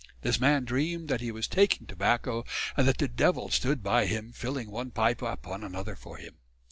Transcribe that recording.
This man dreamed that he was taking tobacco, and that the devill stood by him filling one pipe upon another for him.